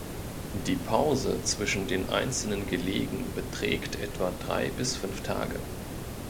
Die Pause zwischen den einzelnen Gelegen beträgt etwa drei bis fünf Tage.